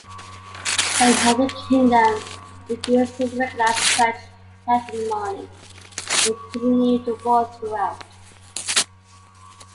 The United Kingdom refused to recognise French hegemony and continued the war throughout.